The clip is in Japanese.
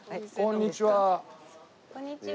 こんにちは。